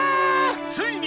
ついに！